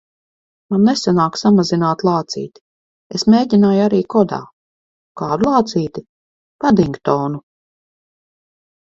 Man nesanāk samazināt lācīti. Es mēģināju arī kodā. Kādu lācīti? Padingtonu.